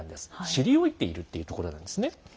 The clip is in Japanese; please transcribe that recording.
知りおいているっていうところなんですね。